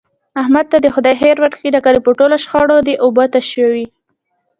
احمد ته دې خدای خیر ورکړي د کلي په ټولو شخړو دی اوبه تشوي.